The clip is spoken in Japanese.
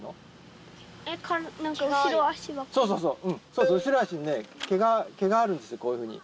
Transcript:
そうそうそう後ろ脚にね毛があるんですよこういうふうに。